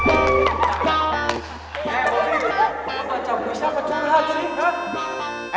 eh bobi lo kacau kacau apa caranya sih